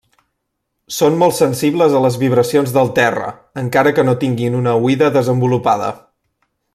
Són molt sensibles a les vibracions del terra encara que no tinguin una oïda desenvolupada.